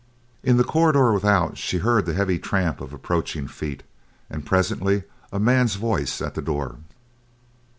In the corridor without, she heard the heavy tramp of approaching feet, and presently a man's voice at the door.